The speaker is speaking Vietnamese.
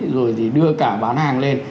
rồi thì đưa cả bán hàng lên